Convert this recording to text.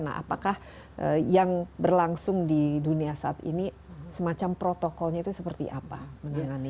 nah apakah yang berlangsung di dunia saat ini semacam protokolnya itu seperti apa menangani